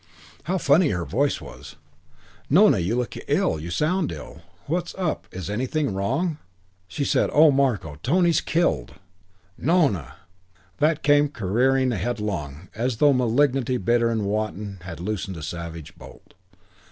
How funny her voice was. "Nona, you look ill. You sound ill. What's up? Is anything wrong?" She said, "Oh, Marko, Tony's killed." "Nona!" ... That came careering headlong, as though malignity, bitter and wanton, had loosed a savage bolt.